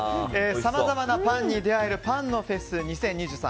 さまざまなパンに出会えるパンのフェスパンのフェス２０２３